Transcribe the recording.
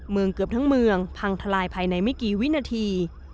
เกือบทั้งเมืองพังทลายภายในไม่กี่วินาที